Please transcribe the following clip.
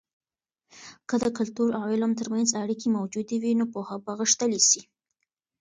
که د کلتور او علم ترمنځ اړیکې موجودې وي، نو پوهه به غښتلې سي.